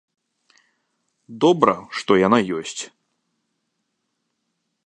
Добра, што яна ёсць.